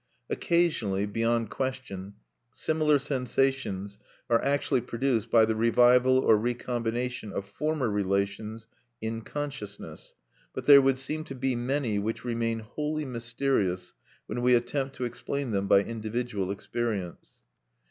Occasionally, beyond question, similar sensations are actually produced by the revival or recombination of former relations in consciousness; but there would seem to be many which remain wholly mysterious when we attempt to explain them by individual experience.